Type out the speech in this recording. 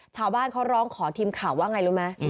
ชาวบ้านเขาร้องขอทีมข่าวว่าไงรู้ไหม